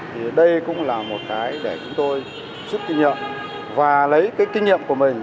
thì đây cũng là một cái để chúng tôi rút kinh nghiệm và lấy cái kinh nghiệm của mình